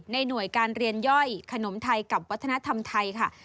หน่วยการเรียนย่อยขนมไทยกับวัฒนธรรมไทยค่ะ